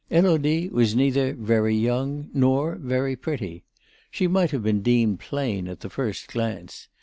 Élodie was neither very young nor very pretty. She might have been deemed plain at the first glance.